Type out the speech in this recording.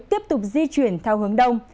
tiếp tục di chuyển theo hướng đông